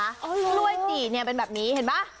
กร้อยจี่เป็นแบบนี้เห็นมั้ย